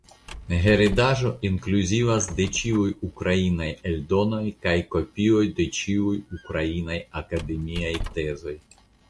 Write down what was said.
Heredaĵoj inkluzivas ĉiuj ukrainaj eldonoj kaj kopioj de ĉiuj ukrainaj akademiaj tezoj.